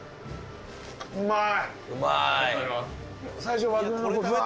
うまい？